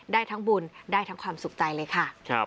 ได้ทั้งบุญได้ทั้งความสุขใจเลยค่ะ